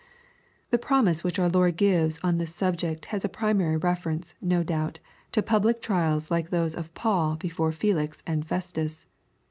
The promise which our Lord gives on this subject has a primary reference, no doubt, to public trials like those of Paul before Felix and Festus.